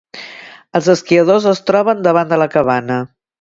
Els esquiadors es troben davant de la cabana.